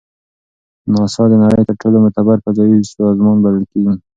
ناسا د نړۍ تر ټولو معتبر فضایي سازمان بلل کیږي.